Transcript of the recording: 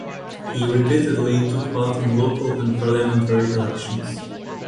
He repeatedly took part in local and parliamentary elections.